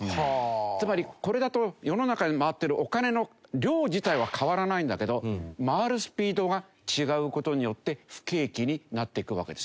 つまりこれだと世の中に回ってるお金の量自体は変わらないんだけど回るスピードが違う事によって不景気になっていくわけですよ。